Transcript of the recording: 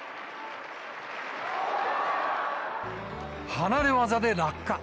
離れ技で落下。